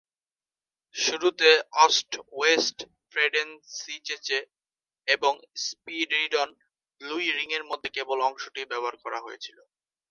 শুরুতে অস্ট-ওয়েস্ট-ফ্রেডেন্সিচেচে এবং স্পিরিডন-লুই-রিংয়ের মধ্যে কেবল অংশটি ব্যবহার করা হয়েছিল।